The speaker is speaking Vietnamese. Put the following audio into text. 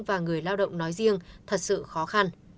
và người lao động nói riêng thật sự khó khăn